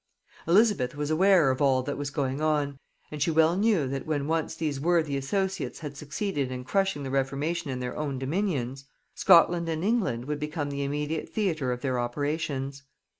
Elizabeth was aware of all that was going on; and she well knew that when once these worthy associates had succeeded in crushing the reformation in their own dominions, Scotland and England would become the immediate theatre of their operations.